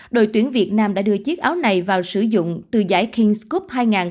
đội tuyển việt nam đã đưa chiếc áo này vào sử dụng từ giải king s cup hai nghìn một mươi chín